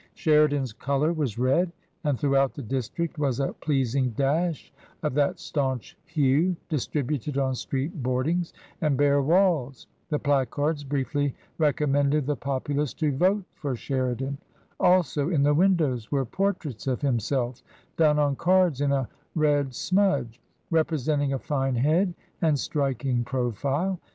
Sheridan's colour was Red, and throughout the district was a pleasing dash of that staunch hue, distributed on street boardings and bare walls ; the placards briefly recommended the popu lace to " Vote for Sheridan ;" also in the windows were portraits of himself done on cards in a Red smudge, representing a fine head and striking profile.